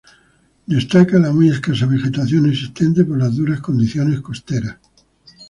Destaca la muy escasa vegetación existente por las duras condiciones costeras.